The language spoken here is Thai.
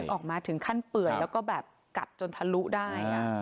ออกมาถึงขั้นเปื่อยแล้วก็แบบกัดจนทะลุได้